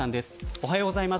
おはようございます。